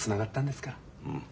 うん。